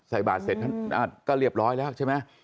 ใส่บาทเสร็จท่านก็เรียบร้อยแล้วใช่ไหม